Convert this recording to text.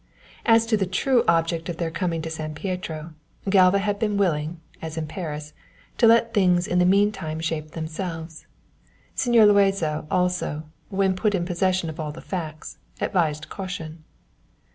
As to the true object of their coming to San Pietro, Galva had been willing, as in Paris, to let things in the mean time shape themselves. Señor Luazo also, when put in possession of all the facts, advised caution.